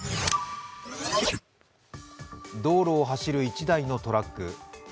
道路を走る１台のトラック。